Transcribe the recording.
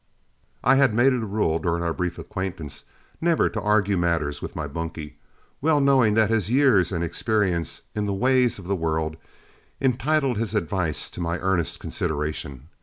I had made it a rule, during our brief acquaintance, never to argue matters with my bunkie, well knowing that his years and experience in the ways of the world entitled his advice to my earnest consideration.